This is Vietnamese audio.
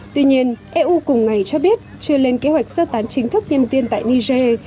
tuy nhiên eu cùng ngày cho biết chưa lên kế hoạch sơ tán chính thức nhân viên tại niger